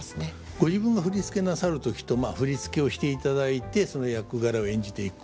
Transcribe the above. ご自分が振付なさる時と振付をしていただいてその役柄を演じていく。